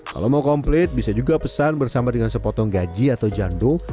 kalau mau komplit bisa juga pesan bersama dengan sepotong gaji atau jando